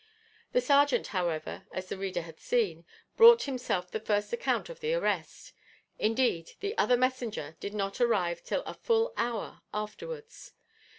The serjeant, however, as the reader hath seen, brought himself the first account of the arrest. Indeed, the other messenger did not arrive till a full hour afterwards.